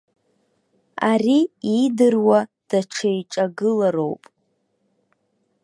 Ари иидыруа даҽа еиҿагылароуп.